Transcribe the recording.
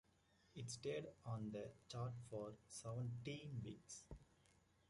It stayed on the chart for seventeen weeks.